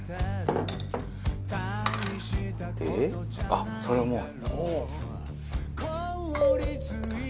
あっそれもう。